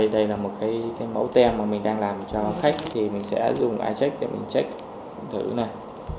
đây là một mẫu tem mà mình đang làm cho khách thì mình sẽ dùng ict để mình check thử này